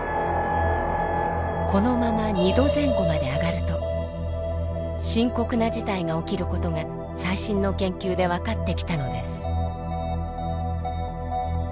このまま２℃前後まで上がると深刻な事態が起きることが最新の研究で分かってきたのです。